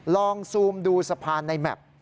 ลองซูมดูสะพานในแม็ก